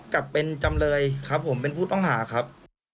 กับเป็นจำเลยครับผมเป็นผู้ต้องหาครับ